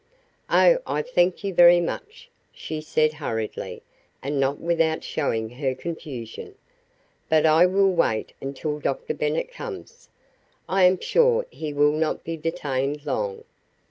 "Oh, I thank you very much," she said hurriedly and not without showing her confusion, "but I will wait until Dr. Bennet comes. I am sure he will not be detained long.